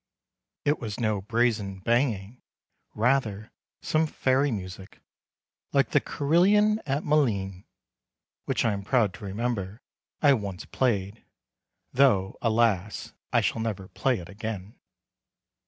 It was no brazen banging; rather, some fairy music, like the carillon at Malines (which I am proud to remember I once played, though, alas! I shall never play it again).